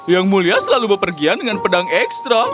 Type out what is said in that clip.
yang mulia selalu berpergian dengan pedang ekstra